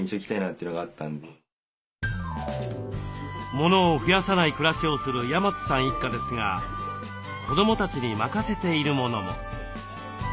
モノを増やさない暮らしをする山津さん一家ですが子どもたちに任せているものも。